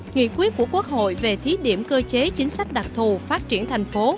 nghị quyết của quốc hội về thí điểm cơ chế chính sách đặc thù phát triển thành phố